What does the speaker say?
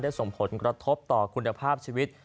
ส่งผลกระทบต่อคุณภาพชีวิต